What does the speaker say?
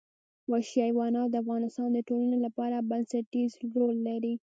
وحشي حیوانات د افغانستان د ټولنې لپاره بنسټيز رول لري.